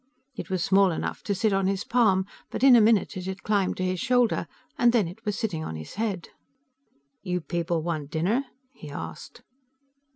It was small enough to sit on his palm, but in a minute it had climbed to his shoulder, and then it was sitting on his head. "You people want dinner?" he asked.